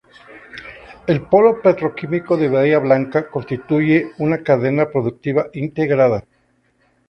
El Polo Petroquímico de Bahía Blanca, constituye una cadena productiva integrada.